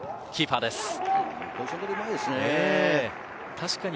キーパーです。